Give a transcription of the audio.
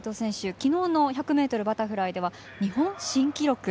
昨日の１００ｍバタフライで日本新記録。